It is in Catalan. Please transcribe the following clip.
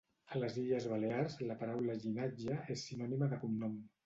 A les Illes Balears la paraula llinatge és sinònima de cognom.